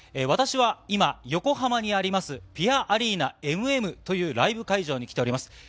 私は今、横浜にあります、ぴあアリーナＭＭというライブ会場に来ております。